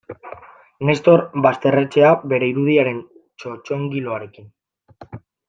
Nestor Basterretxea bere irudiaren txotxongiloarekin.